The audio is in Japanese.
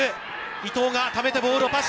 伊藤がためてボールをパス。